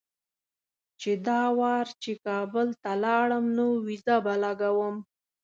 چې دا وار چې کابل ته لاړم نو ویزه به لګوم.